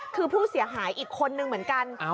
คือผู้เสียหายอีกคนนึงเหมือนกัน